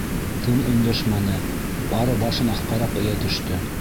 Тын өндәшмәне, бары башын аҫҡараҡ эйә төштө.